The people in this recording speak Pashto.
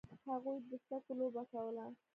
هغوی د سکو لوبه کوله.